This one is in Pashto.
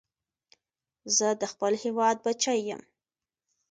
زه د خپل هېواد بچی یم